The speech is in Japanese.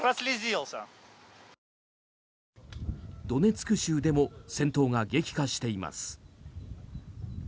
ドネツク州でも戦闘が激化しています。